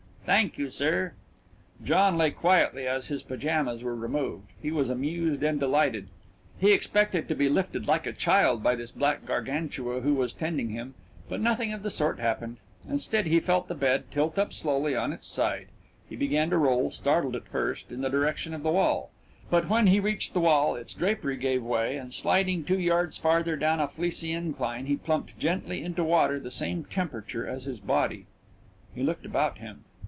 Thank you, sir." John lay quietly as his pyjamas were removed he was amused and delighted; he expected to be lifted like a child by this black Gargantua who was tending him, but nothing of the sort happened; instead he felt the bed tilt up slowly on its side he began to roll, startled at first, in the direction of the wall, but when he reached the wall its drapery gave way, and sliding two yards farther down a fleecy incline he plumped gently into water the same temperature as his body. He looked about him.